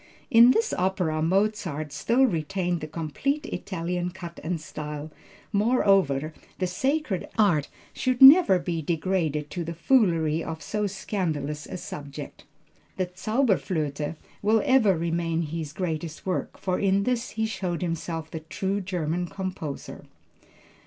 "In this opera Mozart still retained the complete Italian cut and style. Moreover, the sacred art should never be degraded to the foolery of so scandalous a subject. The Zauberflöte will ever remain his greatest work, for in this he showed himself the true German composer."